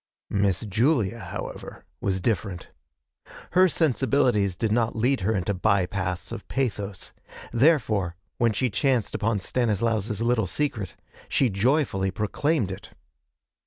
Miss Julia, however, was different. Her sensibilities did not lead her into by paths of pathos; therefore, when she chanced upon Stanislaus's little secret, she joyfully proclaimed it.